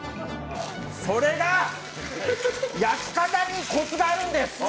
それが焼き方にコツがあるんです。